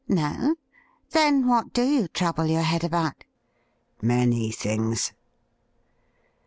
' No ? Then what do you trouble your head about ?'' Many things.'